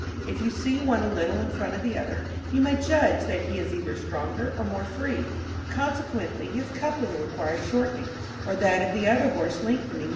If you see one a little in front of the other, you may judge that he is either stronger or more free, consequently his coupling requires shortening, or that of the other horse lengthening.